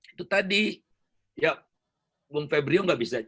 itu tadi ya bung febrio nggak bisa